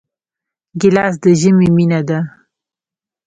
ګیلاس د ژمي مینه ده.